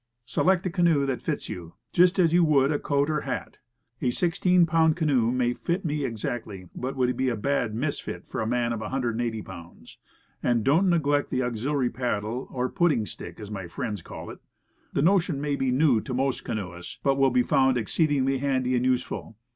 Select a canoe that fits you, just as you would a coat or hat. A 16 pound canoe may fit me exactly, but would be a bad misfit for a man of 180 pounds. And don't neglect the auxiliary paddle, or "pudding stick," as my friends call it. The notion maybe new to most canoeists, but will be found exceedingly handy and useful.